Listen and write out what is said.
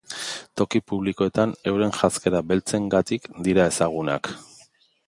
Toki publikoetan euren janzkera beltzengatik dira ezagunak.